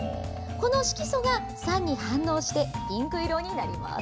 この色素が酸に反応して、ピンク色になります。